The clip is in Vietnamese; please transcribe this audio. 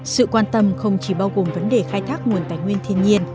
sự quan tâm không chỉ bao gồm vấn đề khai thác nguồn tài nguyên thiên nhiên